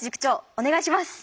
お願いします！